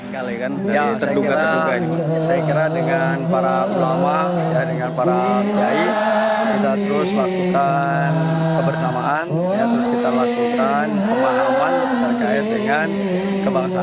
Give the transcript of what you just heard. saya kira dengan para ulama dengan para kiai kita terus lakukan kebersamaan terus kita lakukan pemahaman terkait dengan kebangsaan